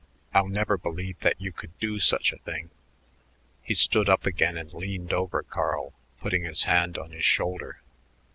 I'll never believe that you could do such a thing." He stood up again and leaned over Carl, putting his hand on his shoulder.